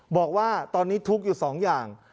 บอกว่าตอนนี้ทุกข์อยู่๒อย่าง